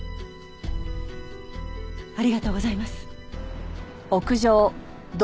ありがとうございます。